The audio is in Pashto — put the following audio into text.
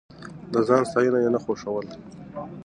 د ځان ستاينه يې نه خوښوله.